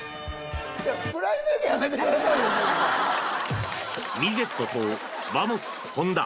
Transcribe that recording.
プライベートやめてくださいミゼットとバモスホンダ。